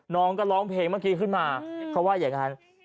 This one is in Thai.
น้องก็ร้องเพลงเมื่อกี้ขึ้นมาเขาว่าอย่างนั้น